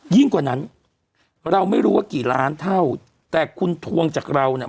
กว่านั้นเราไม่รู้ว่ากี่ล้านเท่าแต่คุณทวงจากเราเนี่ย